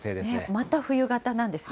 また冬型なんですね。